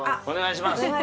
お願いします